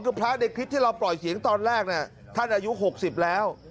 คือพระในคลิปที่เราปล่อยเสียงตอนแรกท่านอายุ๖๐แล้ว